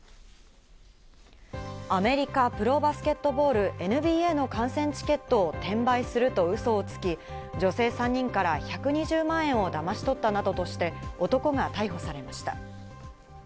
アメリカ・プロバスケットボール＝ＮＢＡの観戦チケットを転売するとウソをつき、女性３人から１２０万円をだまし取ったなどとして、男が逮捕されました。